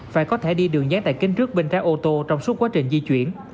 phải có thẻ đi đường nhán tại kênh trước bên trái ô tô trong suốt quá trình di chuyển